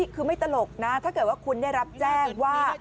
คือไม่ตลกนะถ้าเกิดว่าคุณได้รับแจ้งว่า